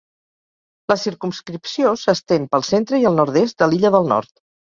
La circumscripció s'estén pel centre i el nord-est de l'illa del Nord.